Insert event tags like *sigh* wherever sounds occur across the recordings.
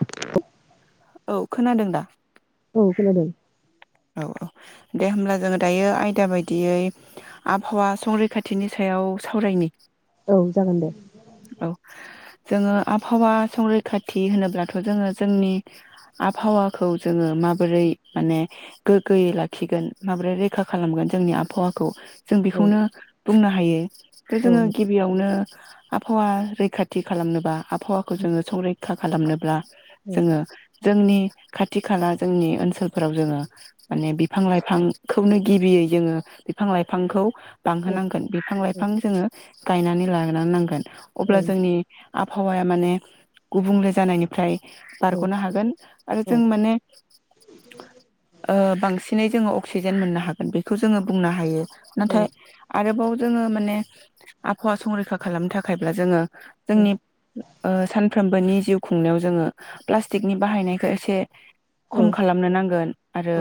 औ औ खोनादों दा औ खोनादों औ औ दे होमब्ला जोङो दायो आयदा बायदियै आबहावा संरैखाथिनि सायाव सावरायनि औ जागोन दे। औ जोङो आबहावा संरैखाथि होनोब्लाथ' जोङो जोंनि आबहावाखौ जोङो माबोरै माने गोग्गोयै लाखिगोन माब्रै रैखा खालामगोन जोंनि आबहावाखौ। जों औ बेखौनो बुंनो हायो। खौ औ जोङो गिबियावनो आबहावा रैखाथि खालामनोबा आबहावाखौ जोङो संरैखा खालामनोब्ला जोङो जोंनि खाथि खाला जोंनि ओनसोलफोराव जोङो माने बिफां-लाइफांखौनो गिबियै जोङो बिफां-लाइफांखौ बांहोनांगोन। बिफां-लाइफां जोङो गायनानै लानी नांगोन। अब्ला जोंनि आबहावाया माने गुबुंले जानायनिफ्राय बारग'नो हागोन। आरो जों माने ओ बांसिनै जोङो अक्सिजेन मोननो हागोन। बेखौ जोङो बुंनो हायो नाथाय आरोबाव जोङो माने आबहावा संरैखा खालामनो थाखायब्ला जोङो। जोंनि सानफ्रोमबोनि जिउ खुंनायाव जोङो प्लास्टिकनि बाहायनायखौ एसे औ खम खालामनो नांगोन। आरो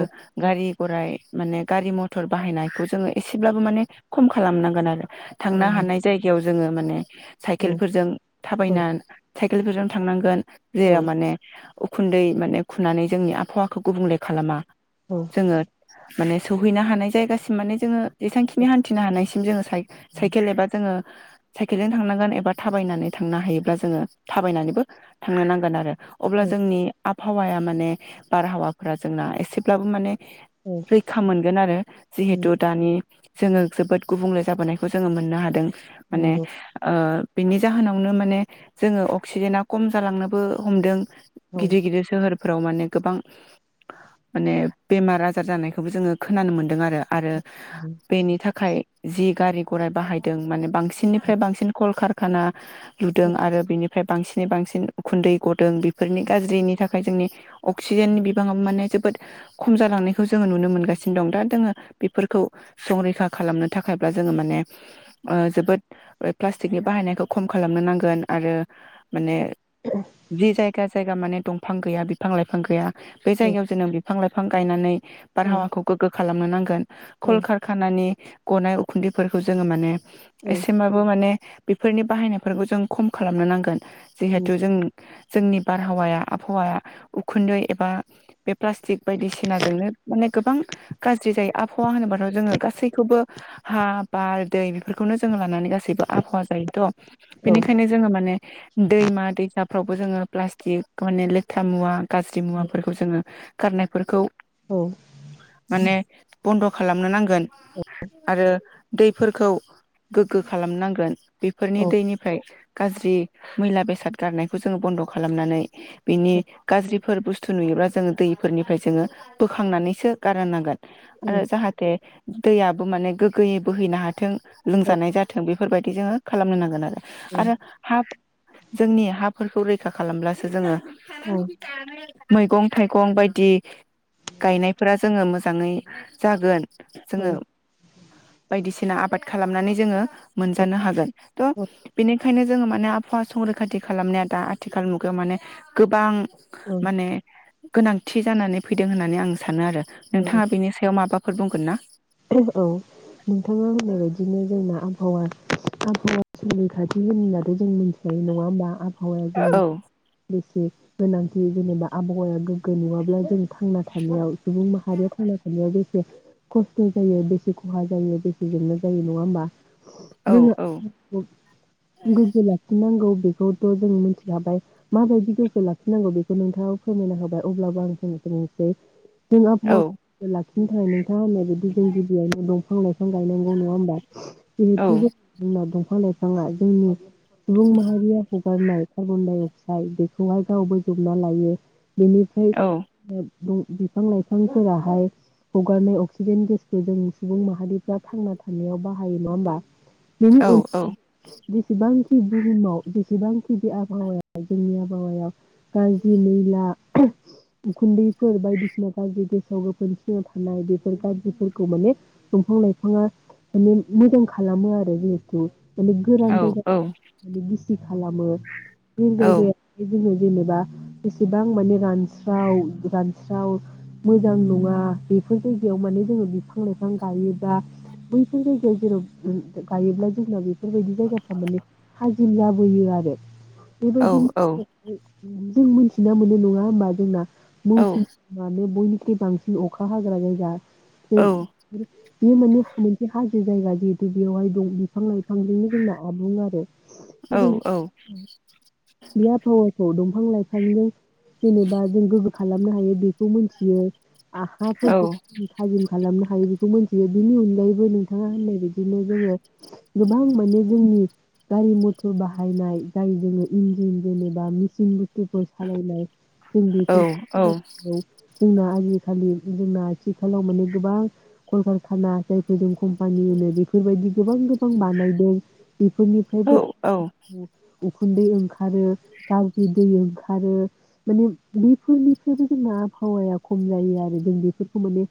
गारि गरराय माने गारि-मथर बाहायनायखौ जोङो एसेब्लाबो माने खम खालामनांगोन। आरो थांनो हानाय जायगायाव जोङो माने साइकेलफोरजों थाबायना साइकेलफोरजों थांनांगोन। जाया माने उखुन्दै माने खुनानै जोंनि आबहावाखौ गुबुंले। खालामा। जोङो। माने सौहैनो हानाय जायगासिम माने जोङो जेसांखिनि हान्थिनो हानायसिम जोङो साइ साइकेल एबा जोङो साइकेलजों थांनांगोन एबा थाबायनानै थांनो हायोब्ला जोङो थाबायनानैबो थांनो नांगोन आरो। अब्ला औ जोंनि। आबहावाया माने बारहावा। जोंना एसेब्लाबो माने नंगौ औ रैखा मोनगोन आरो जिहेतु दानि। जोङो जोबोद गुबुंले जाबोनायखौ जोङो मोननो हादों। माने ओ बिनि जाहोनावनो माने जोङो अक्सिजेना कम जालांनोबो हमदों। औ गदिर गदिर सोहोर। फोराव माने गोबां। माने बेमार आजार जानायखौबो जोङो खोनानो मोनदों आरो आरो औ औ बेनि थाखाय जि गारि गराइ बाहायदों माने बांसिननिफ्राय बांसिन कलकारखाना लुदों आरो बेनिफ्राय बांसिनै बांसिन उखुन्दै गदों बेफोरनि गाज्रिनि थाखाय जोंनि अक्सिजेननि। गोब माने जोबोद खम जालांनायखौ जोङो नुनो मोनगासिनो दं दा जोङो बेफोरखौ संरैखा खालामनो थाखायब्ला जोङो माने जोबोद प्लास्टिकनि बाहायनायखौ खम खालामनो नांगोन आरो माने जि जायगा जायगा माने दंफां गैया बिफां-लाइफां गैया। औ *unintelligible* फां-लाइफां गायनानै बार हावाखौ गोगो खालामनो नांगोन। औ कलकारखानानि गनाय उखुन्दैफोरखौ जोङो माने एसेमाबो माने बेफोरनि बाहायनायफोरखौ जों खम खालामनो नांगोन। जिहेथु जों जोंनि बारहावाया आबहावाया उखुन्दै एबा बे प्लास्टिक बायदिसिनाजोंोंनो माने गोबां गाज्रि जायो आबहावा होनोबाथ' जोङो गासैखौबो हा बार दै बेफोरखौनो जोङो लानानै गासैबो आबहावा जायोथ' बेनिखायनो जोङो माने दैमा-दैसाफ्रावबो जोङो प्लास्टिक माने लेथ्रा मुवा गाज्रि मुवा फोरखौ जोङो गारनायफोरखौ माने बन्द' खालामनो नांगोन आरो दैफोरखौ गोग्गो खालामनो नांगोन बेफोरनि दैनिफ्राय गाज्रि मैला बेसाद गारनायखौ जोङो बन्द' खालामनानै बिनि गाज्रिफोर बुस्थ थु नुयोब्ला जोङो दैफोरनिफ्राय जोङो बोखांनानैसो गारनांगोन। ओ जाहाथे दैयाबो माने गोग्गोयै बोहैनो हाथों। लोंजानाय जाथों बे बेफोरबायदि जोङो खालामनो नांगोन आरो। आरो हाफ जोंनि हाफोरखौ रैखा खालामब्लासो जोङो *unintelligible* मैगं थाइगं बायदि गायनायफोरा जोङो मोजाङै जागोन। जोङो बायदिसि सिना आबाद खालामनानै जोङो मोनजानो हागोन। थ' बिनि खायनो जोङो माने आबहावा संरैखाथि खालामनाया दा आथिखाल मुगायाव माने गोबां औ माने गोनांथि जानानै फैदों होननानै आं सानो आरो। औ नोंथाङा बेनि सायाव माबा फोर बुंगोन ना? औ नोंथाङा होननायबायदिनो जोंना आबहावा आबहावा संरैखाथि होनब्लाथ' जों मिथिखायो नङा होमबा? आबहावाया जोंनि औ बेसे गोनांथि जेनेबा आबहावाया गोग्गो नङाब्ला जों थांना थानायाव सुबुं माहारिया थांना थानायाव बेसे ख स्थ' जायो बेसे खहा जायो बेसे जेंना जायो नङा होमबा? औ जोङो औ आबहावाखौ गोग्गो लाखिनांगौ बे बेखौथ' जों मिथिखाबाय माबायदि गोग्गो लाखिनांगौ बेखौ नोंथाङा फोरमायना होबाय अब्लाबो आं फंनोसो बुंनोसै जों औ आबहावाखौ गोग्गो लाखिनो नो थाखाय नोंथांङा होन्नाय बायदि औ बिफां गायनांगौ नङा होमबा औ *unintelligible* दं बिफां लायफाङा जोंनि सुबुं माहारिया ह गारनाय कार्बन डाइ अक्साइड बेखौहाय गाव बोजबना लायो। बेनिफ्राय औ ओ बिफां लाइफांफोराहाय हगारनाय अक्सि जेन गेसखौ जों सुबुं माहारिफ्रा थांना थानायाव बाहायो नङा होमबा? औ *unintelligible* बिसिबां बुहुमाव जेसेबांखि बे आबहावाया जोंनि आबहावायाव गाज्रि मैला उखुन्दैफोर बायदिसिना गाज्रि गेसाव गोफोन सेवना थानाय बे फोर गाज्रिफोरखौ माने दंफां लाइफाङा माने मोजां खालामो आरो जिहेथु माने औ गोरान‌ औ जायगाखौ‌ गिसि सि खालामो बोरि जायगायाव बिबायदि जेनेबा एसेबां माने रानस्राव रानस्राव मोजां नङा बेफोर फोर जायगायाव माने जोङो बिफां लाइफां गायोबा बैफोर जायगायाव जेराव गायोब्ला जोंना बेफोरबायदि जायगाफ्रा माने हाज लाबोयो आरो औ बेबायदिनो जों मोनथिना मोनो नङा होमबा जोंना मौसिनरामानो बयनि बयनिख्रुय बांसिन अखा हाग्रा जायगा गा *inaudible* बेयो माने मोनसे हाजो जायगा जिहेतु बेवहाय दं बिफां लाइफांजोंनो जोंना आबुुं आरो। औ औ *unintelligible* औ दंफां लाइफांजों जेनेबा जों गोग्गो खालामनो हायो बेखौ मोनथियो। औ *unintelligible* थाजिम खालामनो हायो बेखौ मिथियो। बेनि अनगायैबो नोंथाङा होननाय बिदिनो जोङो गोबां माने जोंनि गारि मथर बाहायनाय जाय जोङो इन्जिन जेनेबा मेसिन *unintelligible* फोर सालायनाय जों औ नंगौ बेफोर *unintelligible* जोंना आजिखालि जोंना आथिखालाव माने गोबां कलकारखाना जायफोर जों कम्पानि होनो बेफोरबायदि गोबां गोबां बानायदों। नंगौ बेफोरनिफ्रायबो औ उखुन्दै ओंखारो गाज्रि दै ओंखारो माने बेफोरनिफ्रायबो जोंना आबहावाया खम जायो आरो जों बेफोर खौ माने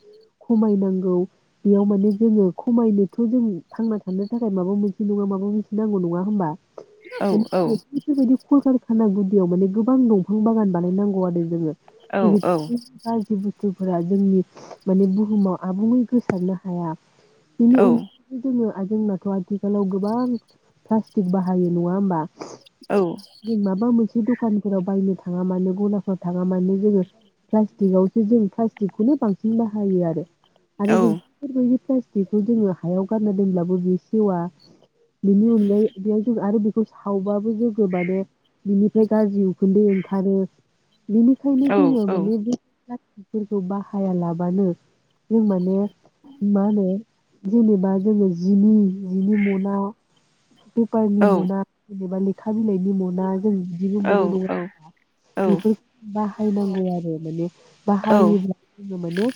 खमायनांगौ बेयाव माने जोङो खमायनोथ जों थांना थानो थाखाय माबा मोनसे नङा माबा मोनसे नांगौ नङा होमबा? नंगौ नंगौ *unintelligible* कलकारखाना गुदियाव माने गोबां दंफां बागान बानायनांगौ आरो जोङो। औ औ *unintelligible* *unintelligible* रफोरा जोंनि माने बुहुमाव आबुङै गोसारनो हाया। बिनि अनगायैबो जोङो आरो जोंनाथ आथिखालाव गोबां प्लास्टिक बाहायो नङा होमबा? नों माबा मोनसे दख दुखानफोराव बायनो थाङा मानो गलाफोराव थाङा मानो जोङो प्लास्टिकआवसो जों प्लास्टिकखौनो बांसिन बाहायो आरो। आरो जों बेफोरबादि प्लासतिक बेखौ जोङो हायाव गारना दोनब्लाबो बे सेवा बेनि अनगायै बेयाव जों आरो बेखौ सावबाबो जोङो माने बिनिफ्राय गाज्रि उखोनदै ओंखारो। बिनिखायनो जोङो माने फोरखौ बाहाया लाब बानो जों माने मा होनो जेनेबा जोङो जिनि जिनि म'ना *unintelligible* था बिलाइनि मना जों बिदिबो मोनो नङा होमबा? बेफोरखौ बाहायनांगौ आरो माने बाहायोब्ला जोङो माने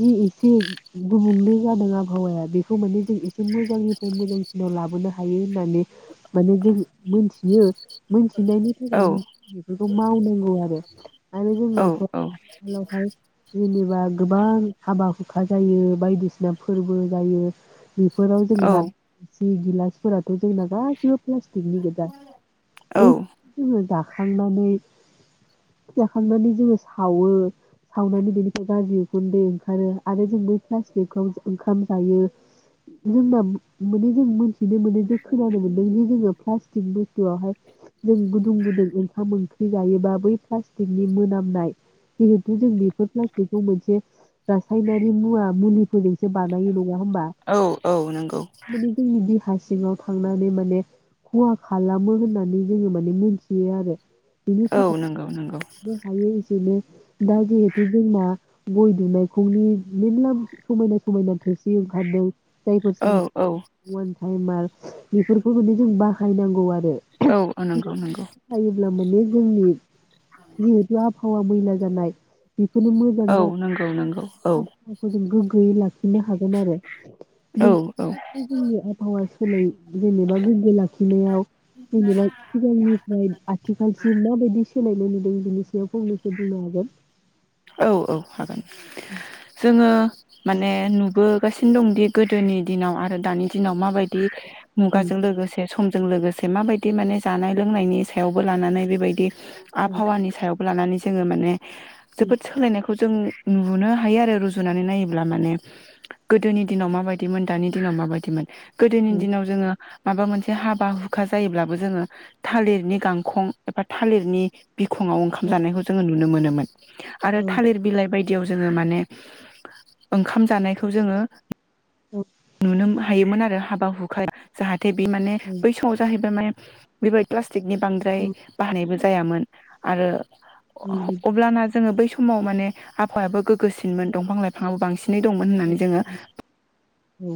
जि एसे गुबुंले जादों आबहावाया बेखौ माने जों एसे मोजांनिफ्राय मोजांसिनाव लाबोनो हायो होननानै माने जों मोनथियो। मोनथिनायनि थाखाय नों बेफोरखौ मावनांगौ आरो आरो जोंनाथ' आथिखालावहाय बा गोबां हाबा हुखा जायो बायदिसिना फोरबो जायो बेफोराव जों जानो बि गिलासफोराथ' जोंना गासिबो प्लास्टिकनि गजा बै जोङो दा जांनानै जाखांनानै जोङो सावो सावनानै बेनिफ्राय गाज्रि गुन्दै ओंखारो आरो जों बै प्लास्टिकखौ ओंखाम जायो जोंना माने जों मोनथिनो मोनो जे खोनानो मोनदों जे जोङो प्लास्टिक बुस्थुआवहाय जों गुदुं गुदुं ओंखाम ओंख्रि जायोबा बै प्लास्टिकनि मोनामनाय जिहेथु जों बेफोर प्लास्टिकखौ मोनसे रासायनारि मुवा मुलिफोरजोंसो बानायो नङा *unintelligible* सिङाव थांनानै माने खहा खालामो होननानै जोङो माने मोनथियो आरो बिनि थाखायनो हायो एसेनो दा जैहेथ' जोंना गय दुनायखौनि मेरला समायना समायना थोरसि ओंखारदों जायफोर सान उवान टाइमार बेफोरखौ माने जों बाहायनांगौ आरो *unintelligible* ह'आ मैला जानाय बेखौनो मोजां ज औ नांगौ औ दुइ लाख नो हागोन आरो औ नोंसोर जोंनि आबहावा फनै जेनेबा गोग्गो लाखिनायाव जेनेबा सिगांनिफ्राय आथिखालसिम माबायदि सोलायनाय बिनि सिङाव फंनैसो बुंनो हागोन औ औ हागोन जोङो माने नुबोगासिनो दंदि गोदोनि दिनाव आरो दानि दिनाव माबायदि मुगाजो लोगोसे समजों लोगोसे माबायदि माने जानाय लोंनायनि सायावबो लानानै बेबायदि आबहावा नि सायाव लानानै जोङो माने औ जोबोद सोलायनायखौ जों नुनो हायो आरो रुजुनानै नायोब्ला माने गोदोनि दिनाव माबायदिमोन दानि दिनाव माबायदिमोन गोदोनि औ दिनाव जोङो माबा मोनसे हाबा हुखा जायोब्लाबो जोङो थालिरनि गांखं एबा थालिरनि बिखङाव ओंखाम जानायखौ जोङो नुनो मोनो मोन। आरो औ थालिर बिलाइ बाय दियाव जोङो माने ओंखाम जानायखौ जोङो नुनोम हायोमोन आर रो हाबा हुखाय जाहा थे बे माने बै संजा हैबा माने बिबायद *unintelligible* स थिकनि बांद्राय बाहायनायबो जायामोन आरो अब्लाना *unintelligible* जोङो बै समाव माने आबहावायाबो गोगोसिनमोन दंफां लाइफाङाबो बांसिनै दंमोन होननानै जोङो औ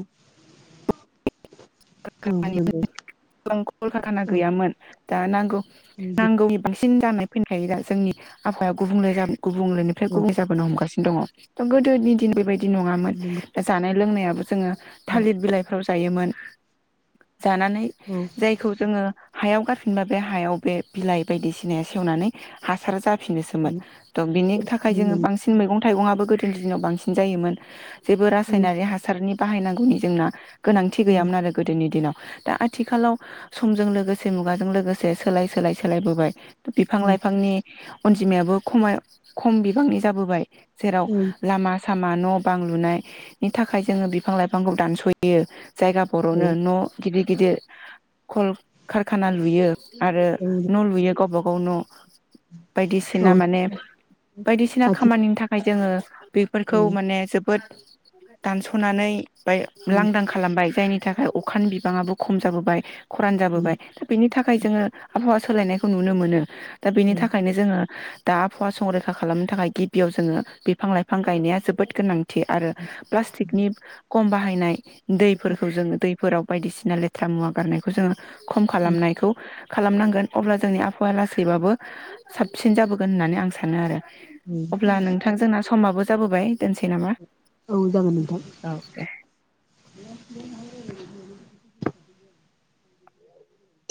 *unintelligible* गोबां कल कारकाना गैयामोन। दा नांगौ नांगौनि बांसि सिन जानाय फिनखायो दा जोंनि आबहावा गुबुंले जानो गुबुंलेनिफ्राय गुबुंले जाबोनो हमगास दङ दा गोदोनि दिन बे बायद दि नङामोन दा जानाय लोंनाया जोङो थालिर बिलायफ्रावस जायोमोन। *inaudible* जानानै जायखौ जोङो हायाव गारफिनबा बे हायाव बे बिलाइ बायदिसिनाय सेवनानै हासार जा फिनोसोमोन थ' बिनि थाखाय जोङो बांसिन मेगं थाइगङाबो गोदोनि दिनाव बांसिन जायोमोन। जेबो रासायनारि हासारनि बाहायनांगौनि जोंना गोनांथि गैयामोन आरो। दोनि दिनाव दा आथिखालाव समजों लोगोसे मुगाजों लोगोसे सोलाय सोलाय सोलायबोबाय थ' बिफां लाइफांनि अनजिमायाबो खमाय खम बिबांनि जाबोबाय। जेराव लामास सामा न बां लुनायनि थाखाय जोङो बिफां लाइफांखौ दानसयो जायगा बर'नो न गिदिर गिदिर खल कारखाना लुयो आरो न' लुयो गबा अन बायदिसिना माने बायदिसिना खामानिनि थाखाय जोङो बेफोरखौ माने जोबोद दानसनानै बाय लांदां खालामबाय जायनि थाखाय अखानि बिबाङाबो खम जाबोबाय खरान जाबोबाय दा बेनि थाखाय जोङो आबहावा सोलायनायखौ नुनो मोनो दा बेनि थाखायनो जोङो दा आफहवा संरैखा खालामनो थाखाय गिबियाव जोङो बिफां लाइफां गायनाया जोबोद गोनां थि आरो प्लास्टिकनि खम बाहायनाय दैफोरखौ जोङो दैफोराव बायदिसिना लेथ्रा मुवा गारनायखौ जोङो खम खालामनायखौ खालामनांगोन अब्ला जोंनि आबहावाया लासैबाबो साबसिन जाबोगोन होननानै आं सानो आरो अब्ला नोंथां जोंना समाबो जाबोबाय दोनसै नामा औ जागोन नोंथां औ दे *unintelligible*